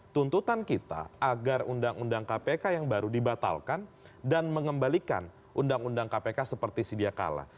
tuntutan kita agar undang undang kpk yang baru dibatalkan dan mengembalikan undang undang kpk seperti sedia kala